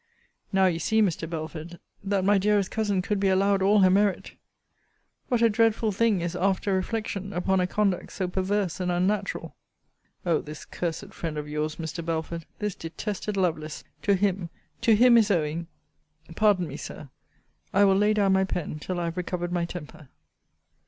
Now you see, Mr. Belford, that my dearest cousin could be allowed all her merit! What a dreadful thing is after reflection upon a conduct so perverse and unnatural? O this cursed friend of your's, Mr. Belford! This detested Lovelace! To him, to him is owing Pardon me, Sir. I will lay down my pen till I have recovered my temper.